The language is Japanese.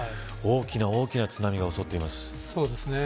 大きな大きな津波が襲っています。